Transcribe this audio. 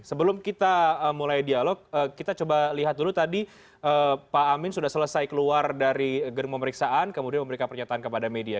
sebelum kita mulai dialog kita coba lihat dulu tadi pak amin sudah selesai keluar dari gedung pemeriksaan kemudian memberikan pernyataan kepada media